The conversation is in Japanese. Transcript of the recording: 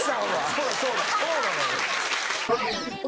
そうだそうだ。